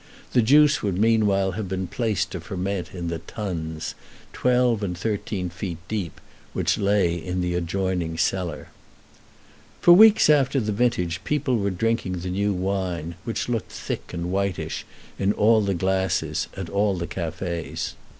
The juice would meanwhile have been placed to ferment in the tuns, twelve and thirteen feet deep, which lay in the adjoining cellar. For weeks after the vintage people were drinking the new wine, which looked thick and whitish in the glasses, at all the cafés.